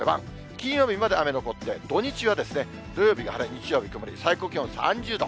金曜日まで雨残って、土日が土曜日が晴れ、日曜日曇り、最高気温３０度。